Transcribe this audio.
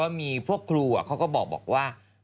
แต่พวกครูเขาก็บอกมา